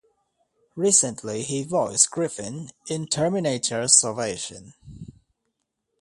Recently, he voiced Griffin in "Terminator Salvation".